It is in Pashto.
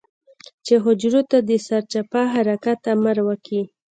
چې حجرو ته د سرچپه حرکت امر وکي.